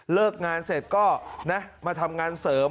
เลิกงานเสร็จก็นะมาทำงานเสริม